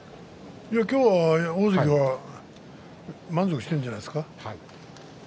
今日は大関は満足しているんじゃないですか。